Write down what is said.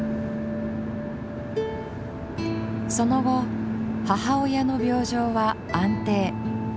その後母親の病状は安定。